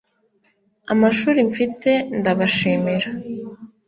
amashuri mfite ndabashimira